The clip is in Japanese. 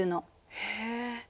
へえ。